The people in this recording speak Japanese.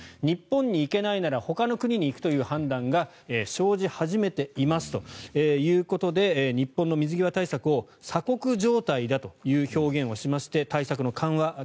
日本に行けないのならほかの国に行くという判断が生じ始めていますということで日本の水際対策を鎖国状態だという表現をしまして対策の緩和